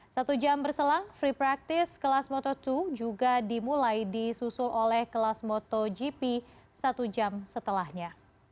satu jam berselang free practice kelas moto dua juga dimulai disusul oleh kelas motogp satu jam setelahnya